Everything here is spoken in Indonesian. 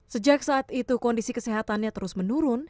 sejak saat itu kondisi kesehatannya terus menurun